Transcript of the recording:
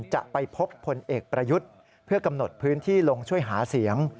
จะไปพบพลเอกประยุทธ์เพื่อกำหนดพื้นที่ลงช่วยหาเสียง